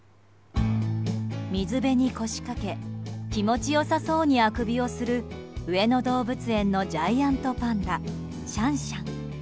水辺に腰かけ気持ちよさそうにあくびをする上野動物園のジャイアントパンダシャンシャン。